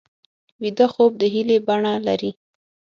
ویده خوب د هیلې بڼه لري